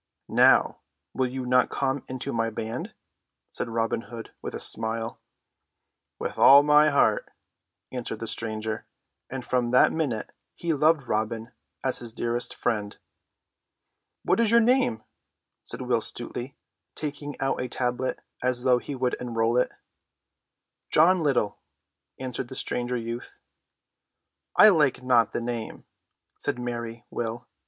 "Now, will you not come into my band?" said Robin Hood with a smile. "With all my heart," answered the stranger; and from that minute he loved Robin as his dearest friend. "What is your name?" said Will Stutely, taking out a tablet as though he would enroll it. "John Little," answered the stranger youth. "I like not the name," said merry Will.